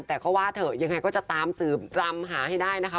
แต่ก็ว่าเถอะยังไงก็จะตามสืบรำหาให้ได้นะคะ